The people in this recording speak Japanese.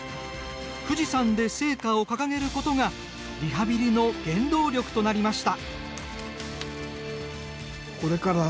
富士山で聖火を掲げることがリハビリの原動力となりました。